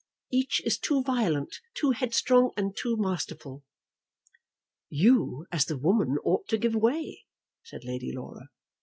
Each is too violent, too headstrong, and too masterful." "You, as the woman, ought to give way," said Lady Laura.